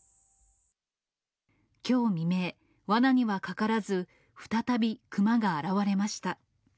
きょう未明、わなにはかからず、再びクマが現れました。